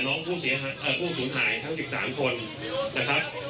น้องผู้เสียหาเอ่อผู้สูญหายทั้งสิบสามคนนะครับ